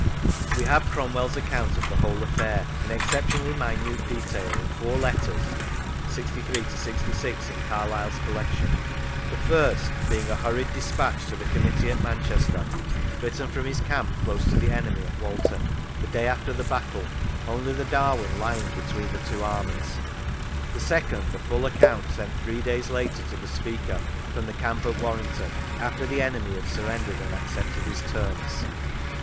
We have Cromwell's account of the whole affair, in exceptionally minute detail, in four letters (63 to 66 in Carlyle's collection), the first being a hurried 101 Lancashire despatch to the Committee at Manchester, written from his camp close to the enemy at Walton, the day after the battle, only the Darwen lying between the two armies; the second a full account sent three days later to the Speaker, from the camp at Warrington, after the enemy had surrendered and accepted his terms.